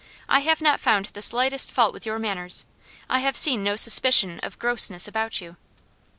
I have not found the slightest fault with your manners. I have seen no suspicion of 'grossness' about you."